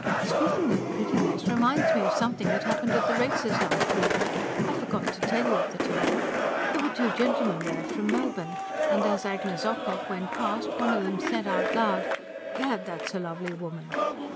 "Speaking of prettiness reminds me of something that happened at the Races last week I forgot to tell you, at the time. There were two gentlemen there from Melbourne; and as Agnes Ocock went past, one of them said out loud: 'Gad! That's a lovely woman.'